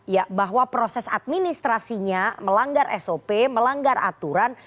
ya bahwa proses administrasinya melanggar sop melanggar aturan